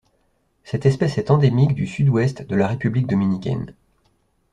Cette espèce est endémique du Sud-Ouest de la République dominicaine.